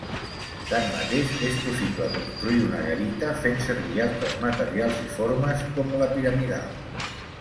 Tanmateix és possible construir una garita fent servir altres materials i formes com la piramidal.